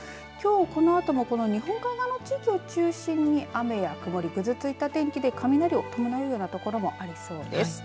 きょうこのあとも日本海側の地域を中心に雨や曇り、ぐずついた天気で雷を伴うようなところもありそうです。